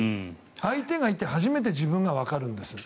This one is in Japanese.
相手がいて初めて自分がわかるんです。